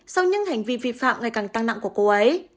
sau những hành vi vi phạm ngày càng tăng nặng của cô ấy